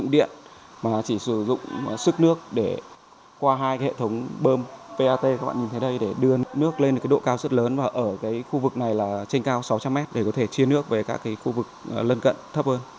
để đưa nước lên độ cao rất lớn và ở khu vực này là trên cao sáu trăm linh m để có thể chia nước với các khu vực lân cận thấp hơn